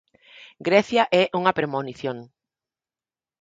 Grecia é unha premonición.